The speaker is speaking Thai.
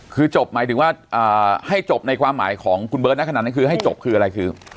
คือจบหมายถึงว่าให้จบในความหมายของคุณเบิร์ตนะขนาดนั้นคือให้จบคืออะไรคือ